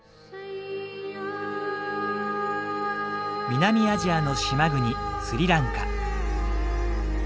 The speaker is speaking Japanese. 南アジアの島国スリランカ。